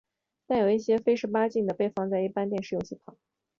但也有一些非十八禁的被放在一般电视游戏旁。